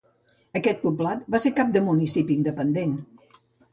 Aquest poblat va ser cap de municipi independent.